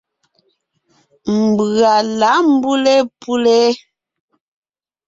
Mbʉ̀a lǎʼ mbʉ́le pʉ́le.